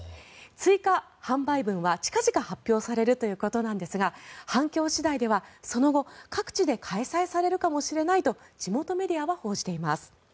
追加販売分は近々発表されるということなんですが反響次第ではその後各地で開催されるかもしれないと地元メディアは報じています。